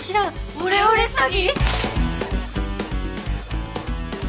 オレオレ詐欺！？